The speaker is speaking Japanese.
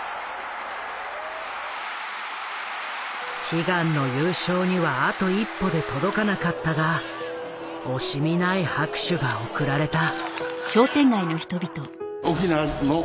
悲願の優勝にはあと一歩で届かなかったが惜しみない拍手が送られた。